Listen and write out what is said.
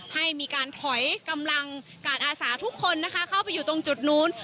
ให้มีการถอยกำลังการอาสาทุกคนนะคะเข้าไปอยู่ตรงจุดนู้น